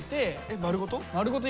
丸ごと？